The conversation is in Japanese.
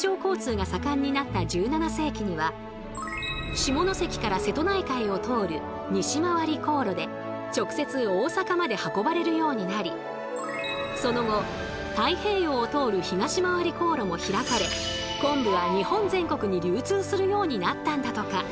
下関から瀬戸内海を通る西まわり航路で直接大阪まで運ばれるようになりその後太平洋を通る東まわり航路も開かれ昆布は日本全国に流通するようになったんだとか。